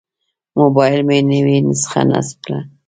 موبایل مې نوې نسخه نصب کړه.